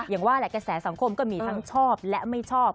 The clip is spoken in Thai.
อย่างว่าแหละกระแสสังคมก็มีทั้งชอบและไม่ชอบ